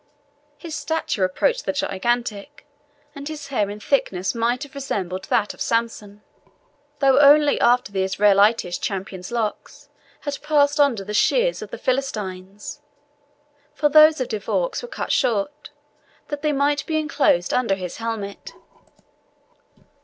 His stature approached the gigantic, and his hair in thickness might have resembled that of Samson, though only after the Israelitish champion's locks had passed under the shears of the Philistines, for those of De Vaux were cut short, that they might be enclosed under his helmet.